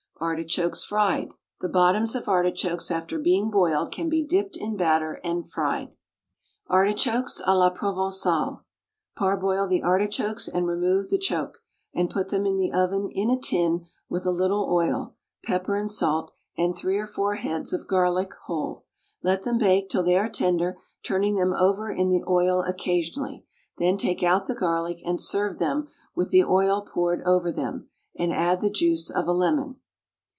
ARTICHOKES, FRIED. The bottoms of artichokes after being boiled can be dipped in batter and fried. ARTICHOKES A LA PROVENCALE. Parboil the artichokes and remove the choke, and put them in the oven in a tin with a little oil, pepper and salt, and three or four heads of garlic, whole. Let them bake till they are tender, turning them over in the oil occasionally; then take out the garlic and serve them with the oil poured over them, and add the juice of a lemon.